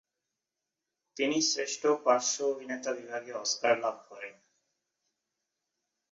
তিনি শ্রেষ্ঠ পার্শ্ব অভিনেতা বিভাগে অস্কার লাভ করেন।